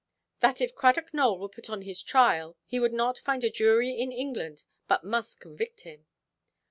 "That if Cradock Nowell were put on his trial, he would not find a jury in England but must convict him."